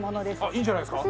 いいんじゃないですか？